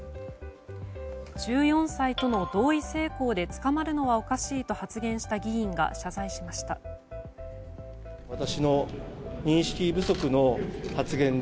１４歳との同意性交で捕まるのはおかしいと発言した議員が謝罪しました。